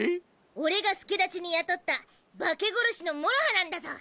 オレが助太刀に雇った化け殺しのもろはなんだゾ。